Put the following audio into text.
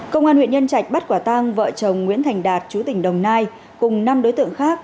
công an huyện nhân trạch bắt quả tang vợ chồng nguyễn thành đạt chú tỉnh đồng nai cùng năm đối tượng khác